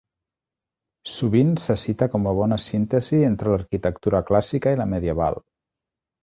Sovint se cita com a bona síntesi entre l'arquitectura clàssica i la medieval.